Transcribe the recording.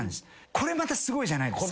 これまたすごいじゃないですか。